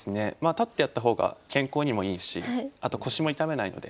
立ってやった方が健康にもいいしあと腰も痛めないので。